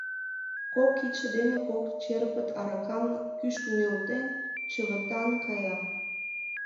Кок кидше дене кок черпыт аракам кӱшкӧ нӧлтен, Чывытан кая.